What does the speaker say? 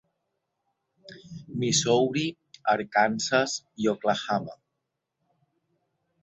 Missouri, Arkansas i Oklahoma.